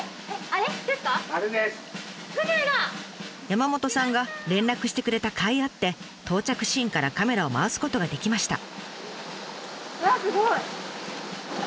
山本さんが連絡してくれた甲斐あって到着シーンからカメラを回すことができました。